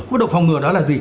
cấp độ phòng ngừa đó là gì